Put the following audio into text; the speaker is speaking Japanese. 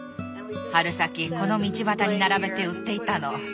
春先この道端に並べて売っていたの。